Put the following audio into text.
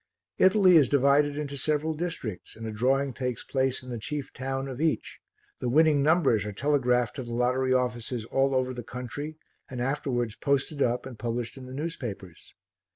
Italy is divided into several districts and a drawing takes place in the chief town of each, the winning numbers are telegraphed to the lottery offices all over the country and afterwards posted up and published in the newspapers.